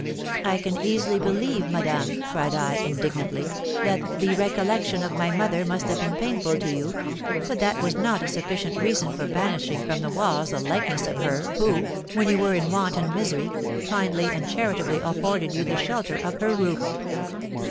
'I can easily believe, madame,' cried I, indignantly, 'that the recollection of my mother must have been painful to you; but that was not a sufficient reason for banishing from the walls the likeness of her who, when you were in want and misery, kindly and charitably afforded you the shelter of her roof.'"